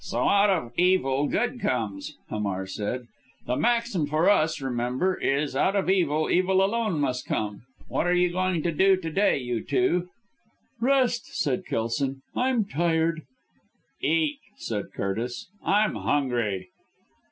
"So out of evil good comes," Hamar said, "the maxim for us, remember, is out of evil evil alone must come. What are you going to do to day, you two?" "Rest!" said Kelson, "I'm tired." "Eat!" said Curtis, "I'm hungry!"